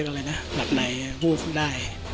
เขาเรียกอะไรนะหลับไหนวูบได้